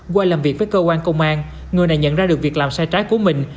qua làm việc với cơ quan công an người này nhận ra được việc làm sai trái của mình